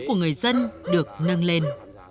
của người dân được nâng lên